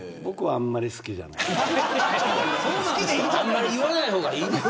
あんまり言わない方がいいです。